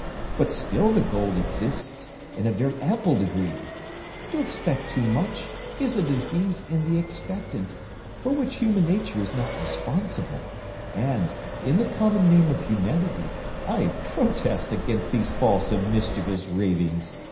But still the gold exists in a very ample degree. To expect too much is a disease in the expectant, for which human nature is not responsible; and, in the common name of humanity, I protest against these false and mischievous ravings.